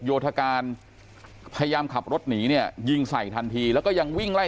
โยธการพยายามขับรถหนีเนี่ยยิงใส่ทันทีแล้วก็ยังวิ่งไล่